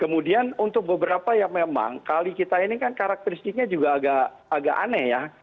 kemudian untuk beberapa yang memang kali kita ini kan karakteristiknya juga agak aneh ya